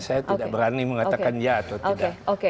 saya tidak berani mengatakan ya atau tidak